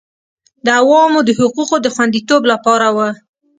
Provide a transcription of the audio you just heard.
د عوامو د حقوقو د خوندیتوب لپاره وه